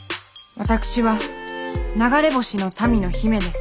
私は流れ星の民の姫です。